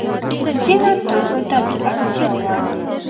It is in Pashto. ځینو توکو ته مې اړتیا وه.